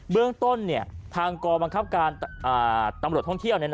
เรื่องต้นทางกองบังคับการตำรวจท่องเที่ยว